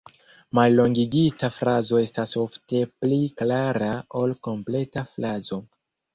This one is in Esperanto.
Mallongigita frazo estas ofte pli klara ol kompleta frazo.